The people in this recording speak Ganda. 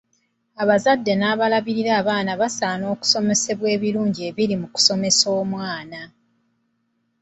Abazadde n'abalabirira abaana basaana okusomesebwa ebirungi ebiri mu kusomesa omwana.